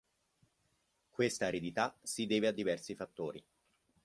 Questa aridità si deve a diversi fattori.